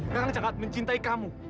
kakang sangat mencintai kamu